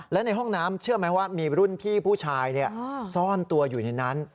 และในห้องน้ำเชื่อไหมว่ามีรุ่นพี่ผู้ชายซ่อนตัวอยู่ในนั้น